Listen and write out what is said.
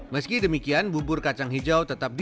bukan menu thaterry